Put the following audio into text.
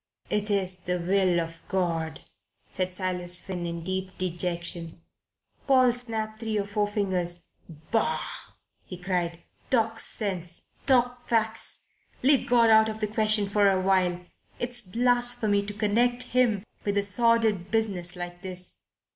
"It is the will of God," said Silas Finn, in deep dejection. Paul snapped three or four fingers. "Bah!" he cried. "Talk sense. Talk facts. Leave God out of the question for a while. It's blasphemy to connect Him with a sordid business like this.